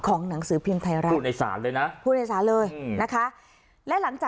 ของหนังสือพิมพ์ไทยรักษณ์พูดในศาลเลยนะ